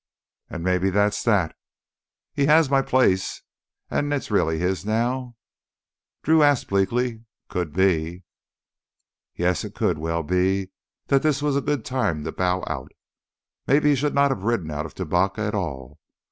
"And maybe that's that? He has my place, and it's really his now?" Drew asked bleakly. "Could be." Yes, it could well be that this was a good time to bow out. Maybe he should not have ridden out of Tubacca at all.